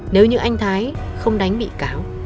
nếu như anh thái không đánh bị cáo